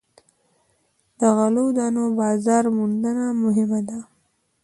د غلو دانو بازار موندنه مهمه ده.